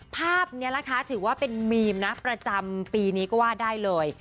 ภาพนี้นะคะถือว่าเป็นมีมนะประจำปีนี้ก็ว่าได้เลย